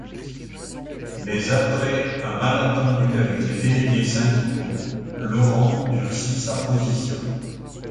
Mais après un malentendu avec les délégués syndicaux, Laurent durcit sa position.